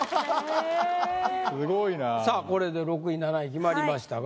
さぁこれで６位７位決まりましたが。